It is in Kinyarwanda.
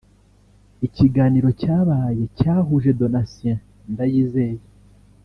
Ikiganiro cyabaye cyahuje Donatien Ndayizeye